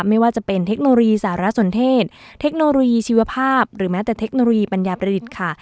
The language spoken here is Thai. ไม่ว่าจะเป็นเทคโนโลยีสารสนเทศเทคโนโลยีชีวภาพหรือแม้แต่เทคโนโลยีปัญญาประดิษฐ์ค่ะ